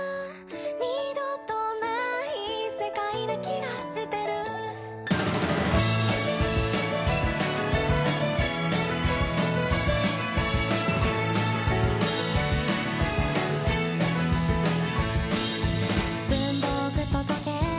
「二度とない世界な気がしてる」「文房具と時計